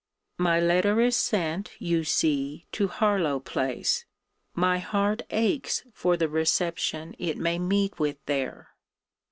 My letter is sent, you see, to Harlowe place. My heart aches for the reception it may meet with there.